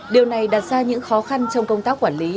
điều này đặt ra những khó khăn trong công tác quản lý